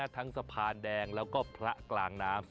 ทั้งสะพานแดงแล้วก็ผละกลางน้ำ